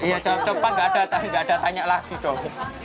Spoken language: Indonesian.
iya jawab cepat nggak ada tanya lagi dong